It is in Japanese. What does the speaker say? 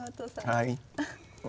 はい。